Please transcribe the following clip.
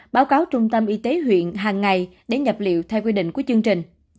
báo cáo trung tâm y tế huyện hàng ngày để nhập liệu theo quy định của chương trình